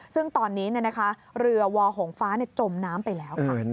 ซึ่งตอนนี้เรือวอหงฟ้าจมน้ำไปแล้วค่ะ